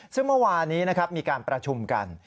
ซึ่งเมื่อวานี้นะครับมีการประชุมกัน